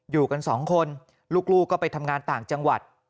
อยู่กันสองคนลูกก็ไปทำงานต่างจังหวัด